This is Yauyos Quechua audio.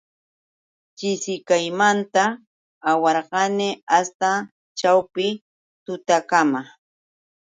Chishikaymanta awarqani asta ćhawpi tutakama.